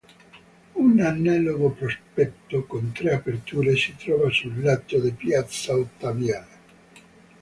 Un analogo prospetto con tre aperture si trova sul lato di piazza Ottaviani.